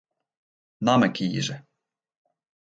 Namme kieze.